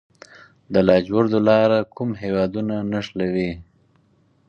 د لاجوردو لاره کوم هیوادونه نښلوي؟